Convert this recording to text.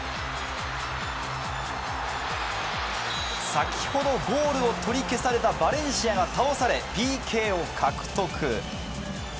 先ほど、ゴールを取り消されたバレンシアが倒されＰＫを獲得。